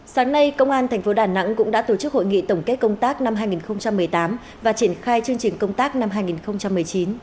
sáng nay công an tp đà nẵng cũng đã tổ chức hội nghị tổng kết công tác năm hai nghìn một mươi tám và triển khai chương trình công tác năm hai nghìn một mươi chín